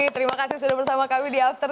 terima kasih sudah bersama kami di after sepuluh